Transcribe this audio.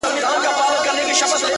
• چي پر زړه یې د مرګ ستني څرخېدلې ,